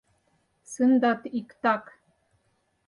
Сындат иктак.